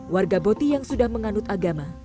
warga boti yang sudah menganut agama